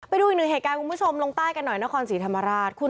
ไปดูอีกหนึ่งเหตุการณ์คุณผู้ชมลงใต้กันหน่อยนครศรีธรรมราช